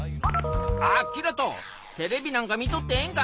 あっキラトテレビなんか見とってええんか？